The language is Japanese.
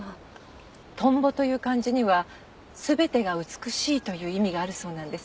蜻蛉という漢字には「全てが美しい」という意味があるそうなんです。